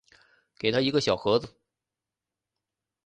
给他一个小盒子